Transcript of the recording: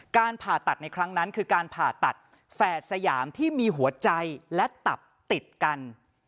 การผ่าตัดในครั้งนั้นคือการผ่าตัดแฝดสยามที่มีหัวใจและตับติดกัน